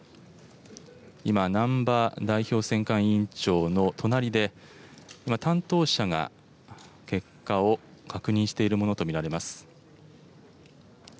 今、難波代表選管委員長の隣で、今、担当者が結果を確認しているものと見られます。